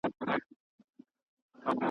په وطن کي نه مکتب نه مدرسه وي .